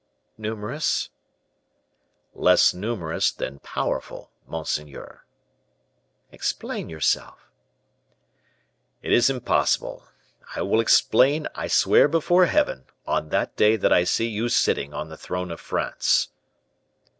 "Numerous?" "Less numerous than powerful, monseigneur." "Explain yourself." "It is impossible; I will explain, I swear before Heaven, on that day that I see you sitting on the throne of France."